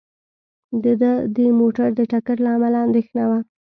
د ده د موټر د ټکر له امله اندېښنه وه.